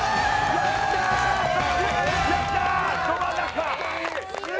やったー！